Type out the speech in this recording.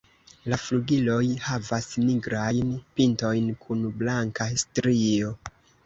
La flugiloj havas nigrajn pintojn kun blanka strio.